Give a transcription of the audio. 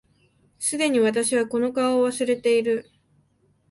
既に私はこの顔を忘れている